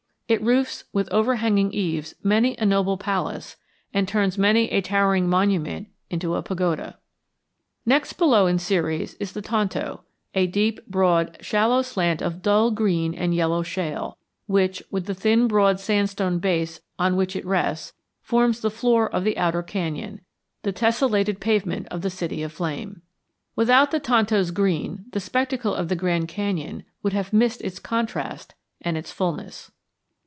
It roofs with overhanging eaves many a noble palace and turns many a towering monument into a pagoda. Next below in series is the Tonto, a deep, broad, shallow slant of dull green and yellow shale, which, with the thin broad sandstone base on which it rests, forms the floor of the outer canyon, the tessellated pavement of the city of flame. Without the Tonto's green the spectacle of the Grand Canyon would have missed its contrast and its fulness.